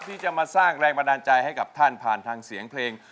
ที่จะมาสร้างแรงบันดาลใจให้กับท่านผ่านทางเสียงเพลง